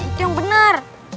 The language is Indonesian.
itu yang benar